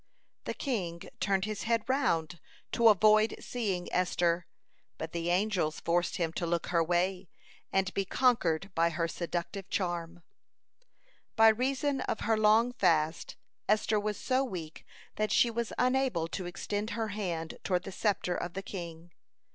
(147) The king turned his head round, to avoid seeing Esther, but the angels forced him to look her way, and be conquered by her seductive charm. (148) By reason of her long fast, Esther was so weak that she was unable to extend her hand toward the sceptre of the king.